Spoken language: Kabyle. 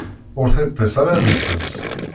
Ur tiṭ-is ara ad iṭṭes.